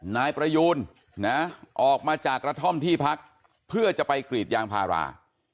นายประยูนนะออกมาจากกระท่อมที่พักเพื่อจะไปกรีดยางพารา